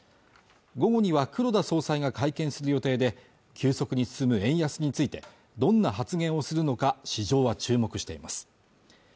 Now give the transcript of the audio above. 午後には黒田総裁が会見する予定で急速に進む円安についてどんな発言をするのか市場は注目しています